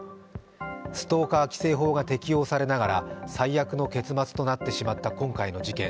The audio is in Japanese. ストーカー規制法が適用されながら、最悪の結末となってしまった今回の事件。